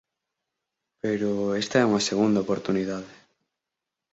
Pero esta é unha segunda oportunidade.